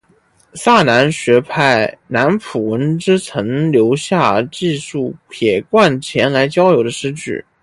萨南学派南浦文之曾留下记述撇贯前来交流的诗句。